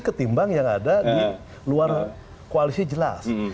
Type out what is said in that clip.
ketimbang yang ada di luar koalisi jelas